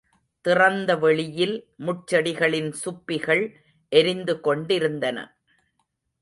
திறந்த வெளியில், முட்செடிகளின் சுப்பிகள் எரிந்து கொண்டிருந்தன.